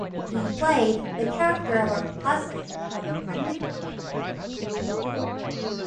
He played the character of a husband of a pregnant woman in the hospital.